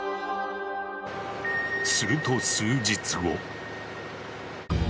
すると数日後。